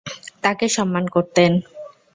তাকে সম্মান করতেন।